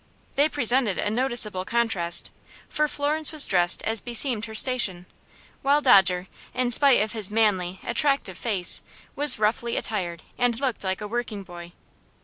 They presented a noticeable contrast, for Florence was dressed as beseemed her station, while Dodger, in spite of his manly, attractive face, was roughly attired, and looked like a working boy.